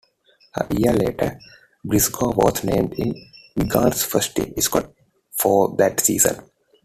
A year later Briscoe was named in Wigan's first team squad for that season.